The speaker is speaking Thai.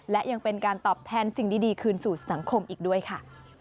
และยังเป็นการตอบแทนสิ่งดีคืนสู่สังคมอีกด้วยค่ะ